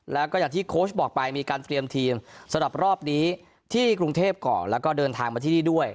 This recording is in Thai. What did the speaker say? แล้วก็อย่างที่โค้ชบอกไปมีการเตรียมทีมสำหรับรอบนี้ที่กรุงเทพก่อนแล้วก็เดินทางมาที่นี่ด้วย